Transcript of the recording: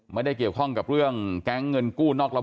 ไม่ได้เกี่ยวข้องกับเรื่องแก๊งเงินกู้นอกระ